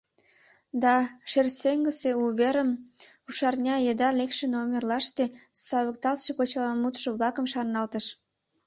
Да «Шарсегысе уверын» рушарня еда лекше номерлаште савыкталтше почеламутшо-влакым шарналтыш.